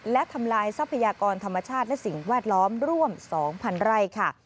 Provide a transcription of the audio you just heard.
และทำลายทรัพยากรธรรมชาติและสิ่งแวดล้อมร่วม๒๐๐๐ไร่ค่ะ